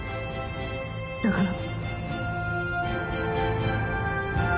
だから